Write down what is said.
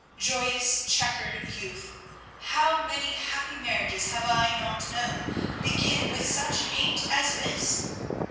Joyous, chequered youth! How many happy marriages have I not known begin with such hate as this?